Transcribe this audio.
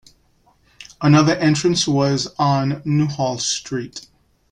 Another entrance was on Newhall Street.